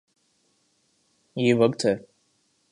یہ وقت ہے۔